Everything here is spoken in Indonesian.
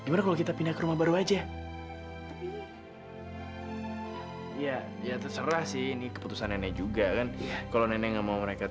maaf tapi lantai dua itu bukan bagian saya